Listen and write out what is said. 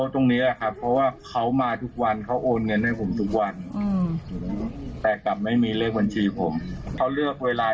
ถ้านับเป็นมูลค่าอย่างที่ทุกน้องว่า